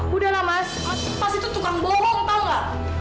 sudahlah mas mas itu tukang bohong tahu tidak